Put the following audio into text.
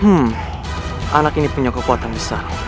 hmm anak ini punya kekuatan besar